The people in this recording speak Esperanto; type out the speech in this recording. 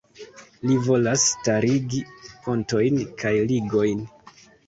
Li volas starigi pontojn kaj ligojn.